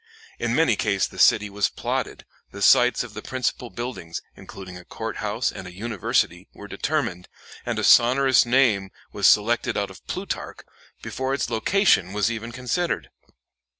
In many cases the city was plotted, the sites of the principal buildings, including a courthouse and a university, were determined, and a sonorous name was selected out of Plutarch, before its location was even considered.